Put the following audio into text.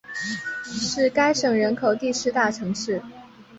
是该省人口第四大城市。